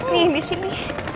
nih di sini